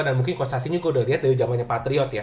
dan mungkin coach cacing juga udah liat dari jamanya patriot ya